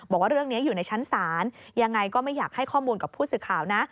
บอกว่าเรื่องนี้อยู่ในชั้นศาลยังไงก็ไม่อยากให้ข้อมูลกับผู้สื่อข่าวนะ